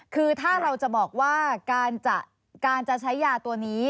คือถ้าเราจะบอกว่าการจะใช้ยาตัวนี้